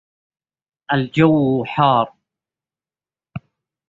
سلافةٍ بُزلت فأبرزَ دَنُّها